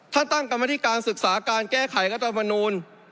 ถ้าตั้งกรรมธิการศึกษาการแก้ไขรัฐธรรมนูล